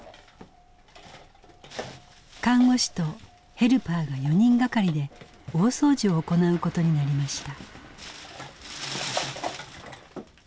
看護師とヘルパーが４人がかりで大掃除を行うことになりました。